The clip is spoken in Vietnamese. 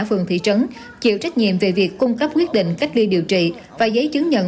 phường thị trấn chịu trách nhiệm về việc cung cấp quyết định cách ly điều trị và giấy chứng nhận